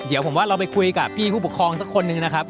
เดี๋ยวผมว่าเราไปคุยกับพี่ผู้ปกครองสักคนหนึ่งนะครับ